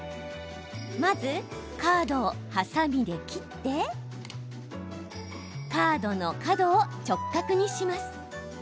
まず、カードをはさみで切ってカードの角を直角にします。